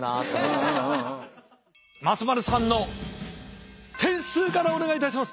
松丸さんの点数からお願いいたします！